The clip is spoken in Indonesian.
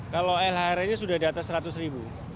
kalau lhr nya sudah di atas seratus ribu